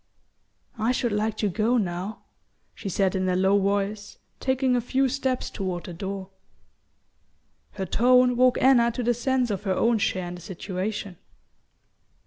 "I should like to go now," she said in a low voice, taking a few steps toward the door. Her tone woke Anna to the sense of her own share in the situation.